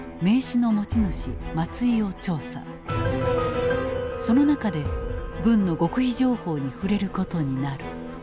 その中で軍の極秘情報に触れることになる。